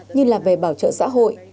như là về bảo trợ xã hội